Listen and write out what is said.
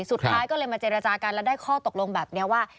สุดท้ายก็เลยมาเจรจากันแล้วได้ข้อตกลงแบบนี้ว่า